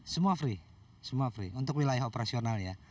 semua free semua free untuk wilayah operasional ya